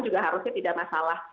maksudnya tidak masalah